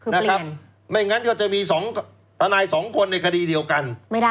คือเปลี่ยนไม่อย่างนั้นก็จะมีทนายสองคนในคดีเดียวกัน